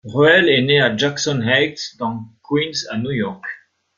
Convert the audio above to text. Ruehl est née à Jackson Heights dans Queens à New York.